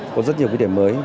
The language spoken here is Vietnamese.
có rất nhiều vấn đề mới